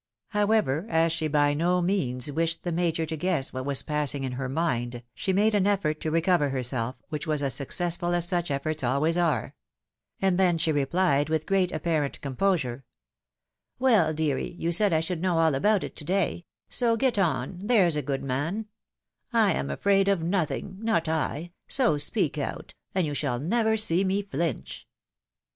_ However, as she by no means wished the Major to guess what was passing in her inind, she' made an effort to recover herself, which was as successful as such efforts always are ; and then she replied with great apparent composure, " Well, deary, you said I should know all about it to day — so get on, there's a good man, — ^I am afraid of nothing, not I, so speak out, and you shall never see me flinch."